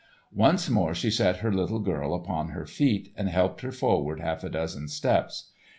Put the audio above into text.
Once more she set her little girl upon her feet, and helped her forward half a dozen steps.